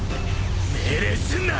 命令すんな！